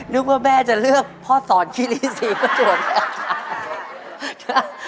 นึกว่าแม่จะเลือกพ่อสอนคิริศรีประจวบ